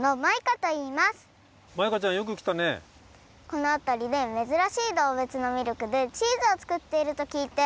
このあたりでめずらしいどうぶつのミルクでチーズを作っているときいて。